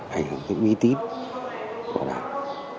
hành hưởng đến uy tín của đảng